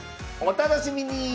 お楽しみに！